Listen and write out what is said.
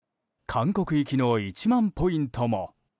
韓国行きの１万ポイントも。